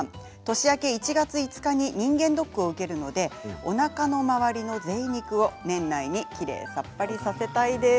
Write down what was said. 年明け１月５日に人間ドックを受けるのでおなかの周りのぜい肉を年内にきれいさっぱりさせたいです。